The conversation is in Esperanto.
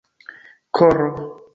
koro